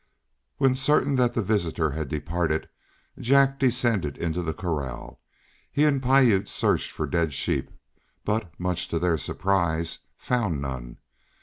When certain that the visitor had departed Jack descended into the corral. He and Piute searched for dead sheep, but, much to their surprise, found none.